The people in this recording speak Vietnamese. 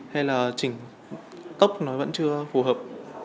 hay là chỉnh tốc nó vẫn chưa phù hợp